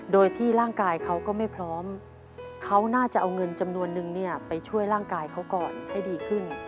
โดยที่ร่างกายเขาก็ไม่พร้อมเขาน่าจะเอาเงินจำนวนนึงไปช่วยร่างกายเขาก่อนให้ดีขึ้น